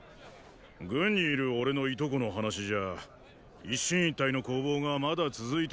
軍にいるオレのいとこの話じゃ一進一退の攻防がまだ続いているらしい。